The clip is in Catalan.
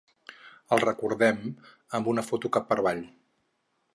El recordem amb una foto cap per avall.